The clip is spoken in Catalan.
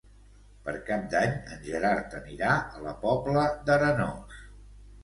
Per Cap d'Any en Gerard anirà a la Pobla d'Arenós.